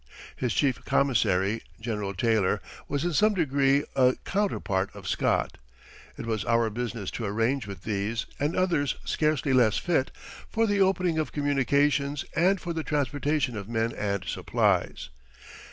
His chief commissary, General Taylor, was in some degree a counterpart of Scott. It was our business to arrange with these, and others scarcely less fit, for the opening of communications and for the transportation of men and supplies.